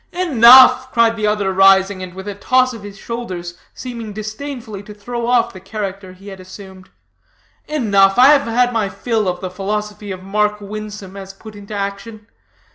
"Enough," cried the other, rising, and with a toss of his shoulders seeming disdainfully to throw off the character he had assumed. "Enough. I have had my fill of the philosophy of Mark Winsome as put into action.